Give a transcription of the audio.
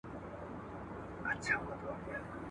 پرمختللې ټکنالوژي د مهارت لرونکو کسانو غوښتنه زياتوي.